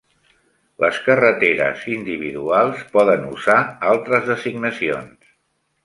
Las carreteres individuals poden usar altres designacions.